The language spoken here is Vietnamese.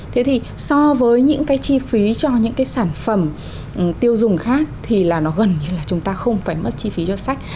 thế thì so với những cái chi phí cho những cái sản phẩm tiêu dùng khác thì là nó gần như là chúng ta không phải mất chi phí cho sách